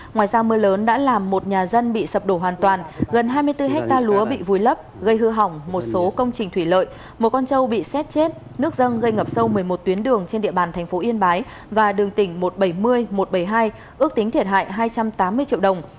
ngoài ra mưa lớn đã làm một nhà dân bị sập đổ hoàn toàn gần hai mươi bốn hectare lúa bị vùi lấp gây hư hỏng một số công trình thủy lợi một con trâu bị xét chết nước dân gây ngập sâu một mươi một tuyến đường trên địa bàn thành phố yên bái và đường tỉnh một trăm bảy mươi một trăm bảy mươi hai ước tính thiệt hại hai trăm tám mươi triệu đồng